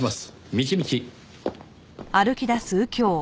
道々。